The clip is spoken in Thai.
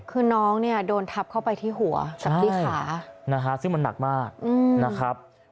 คือน้องเนี่ยโดนทับเข้าไปที่หัวกับที่ขานะฮะซึ่งมันหนักมากนะครับ